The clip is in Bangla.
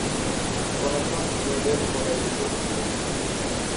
কোন কোন কী বোর্ডে উপরের দিকেও থাকে।